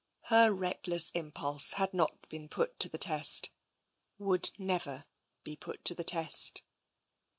Her reckless impulse had not been put to the test; would never be put to the test.